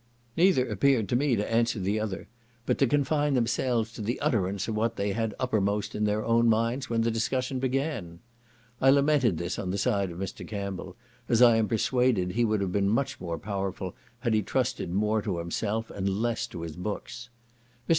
Neither appeared to me to answer the other; but to confine themselves to the utterance of what they had uppermost in their own minds when the discussion began. I lamented this on the side of Mr. Campbell, as I am persuaded he would have been much more powerful had he trusted more to himself and less to his books. Mr.